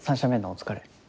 お疲れ。